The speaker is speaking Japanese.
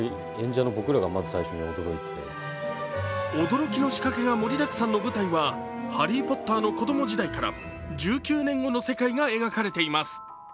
驚きの仕掛けが盛りだくさんの舞台はハリー・ポッターの子供時代から１９年後の世界が描かれています。